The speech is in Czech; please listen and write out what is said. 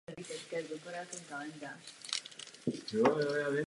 Většinu území tvoří hornatá krajina.